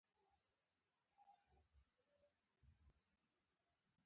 • وخت د زغم استاد دی.